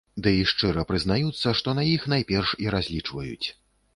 Дый шчыра прызнаюцца, што на іх найперш і разлічваюць.